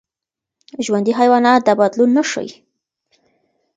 ژوندي حیوانات دا بدلون نه ښيي.